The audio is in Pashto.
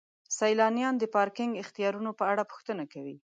سیلانیان د پارکینګ اختیارونو په اړه پوښتنه کوي.